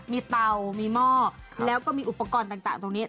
มีเตามีหม้อแล้วก็มีอุปกรณ์ต่างตรงนี้